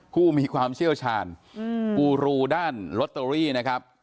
ผู้มีความเชี่ยวชาญกูรูด้านลอตเตอรี่นะครับ